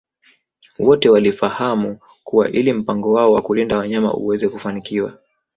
Wote walifahamu kuwa ili mpango wao wa kulinda wanyama uweze kufanikiwa